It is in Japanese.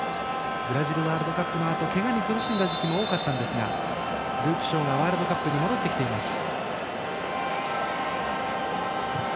ブラジルワールドカップのあとけがに苦しんだ時期も多かったんですがルーク・ショーがワールドカップに戻ってきました。